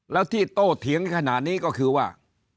แล้วที่โตเถียงขนาดนี้ก็คือว่า